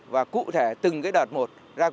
và cụ thể từng cái đợt một